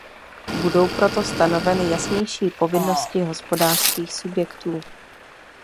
Budou proto stanoveny jasnější povinnosti hospodářských subjektů.